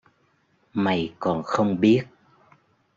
Mày còn không biết